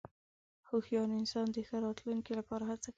هوښیار انسان د ښه راتلونکې لپاره هڅه کوي.